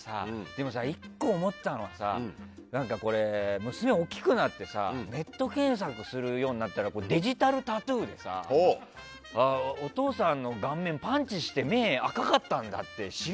でも、１個、思ったのは娘大きくなったらネット検索するようになってデジタルタトゥーでお父さんの顔面パンチして目、赤かったんだ！